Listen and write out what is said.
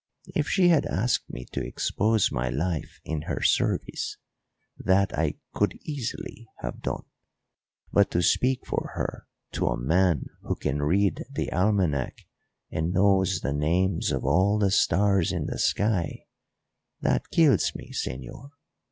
If she had asked me to expose my life in her service, that I could easily have done; but to speak for her to a man who can read the almanac and knows the names of all the stars in the sky, that kills me, señor.